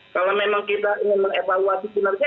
kalau memang kita ingin mengevaluasi kinerja